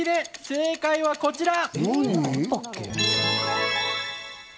正解はこちら！